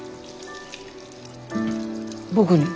僕に？